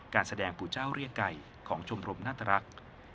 การแสดงปู่เจ้าเรียกไก่ของชมรมนาตรรักษ์